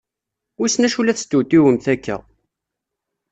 Wissen acu la testewtiwemt akka!